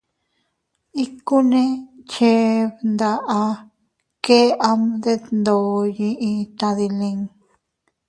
Ikkune cheʼe bndaʼa, kee am detndoʼo yiʼi tadilin.